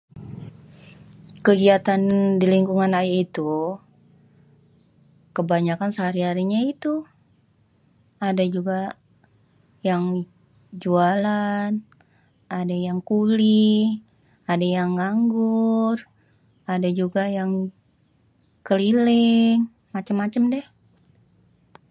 Kegiatan di lingkungan ayé itu, kebanyakan sehari-harinya itu ada juga yang jualan, ada yang kuli, ada yang nganggur, ada juga yang keliling, macem-macem deh.